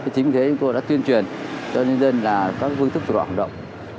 chính thế chúng tôi đã tuyên truyền cho dân dân các phương thức trộm cấp hoạt động